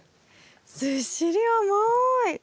ずっしり重い！